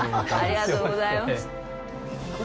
ありがとうございます。